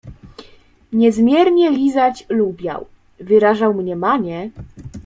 Niezmiernie lizać lubiał, wyrażał mniemanie